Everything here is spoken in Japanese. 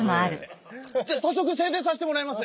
じゃあ早速宣伝させてもらいます。